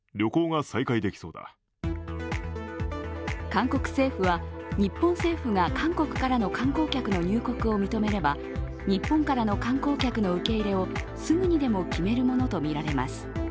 韓国政府は、日本政府が韓国からの観光客の入国を認めれば日本からの観光客の受け入れをすぐにでも決めるものとみられます。